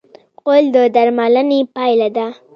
غول د درملنې پایله ده.